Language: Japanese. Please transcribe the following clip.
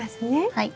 はい。